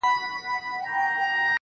او مذهبي مراسمو کي په سلګونه